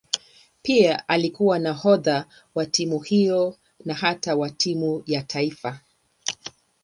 Pia alikuwa nahodha wa timu hiyo na hata wa timu ya taifa.